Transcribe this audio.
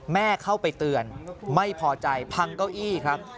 เข้าไปเตือนไม่พอใจพังเก้าอี้ครับ